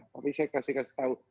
tapi saya kasih kasih tahu